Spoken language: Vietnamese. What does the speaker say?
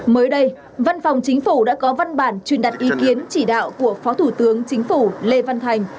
mới đây văn phòng chính phủ đã có văn bản truyền đặt ý kiến chỉ đạo của phó thủ tướng chính phủ lê văn thành